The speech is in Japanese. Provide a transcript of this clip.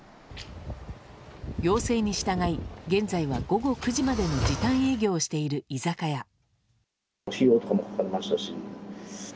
要請に従い現在は午後９時までの時短営業をしている居酒屋。